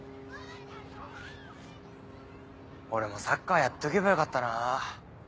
俺もサッカーやっとけばよかったなぁ。